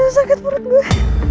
sakit perut gue